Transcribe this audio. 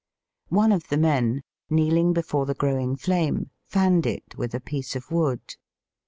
One of the men, kneeling before the growing flame, fanned it with a piece of wood.